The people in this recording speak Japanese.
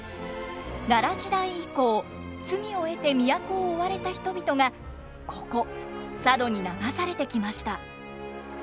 奈良時代以降罪を得て都を追われた人々がここ佐渡に流されてきました。